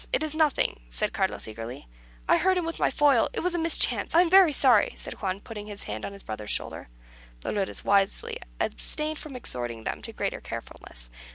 It is nothing," said Carlos, eagerly. "I hurt him with my foil. It was a mischance. I am very sorry," said Juan, putting his hand on his brother's shoulder. Dolores wisely abstained from exhorting them to greater carefulness.